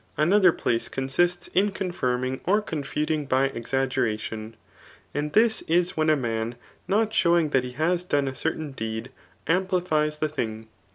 Another place consists in confirming or confuting by Exaggeration. And this is when a man not showing ths^ he has done a certain deed, amplifies tbe thing.